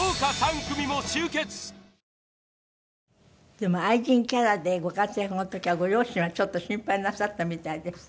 でも愛人キャラでご活躍の時はご両親はちょっと心配なさったみたいですって？